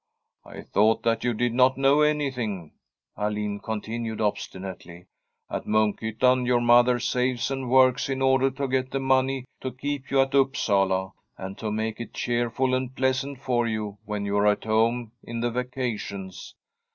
' I thought that you did not know anything/ Alin continued obstinately. * At Munkhyttan your mother saves and works in order to get the money to keep you at Upsala, and to make it cheerful and pleasant for you when you are at home in the vacations.